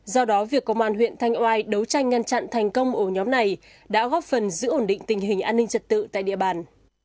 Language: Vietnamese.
do đó việc công an huyện thanh oai đấu tranh ngăn chặn thành công ổ nhóm này đã góp phần giữ ổn định tình hình an ninh trật tự tại địa bàn